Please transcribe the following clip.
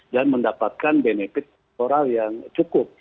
dan mendapatkan benefit moral yang cukup